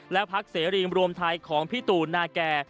และพักเสรีรวมไทยของพี่ตูนาแก่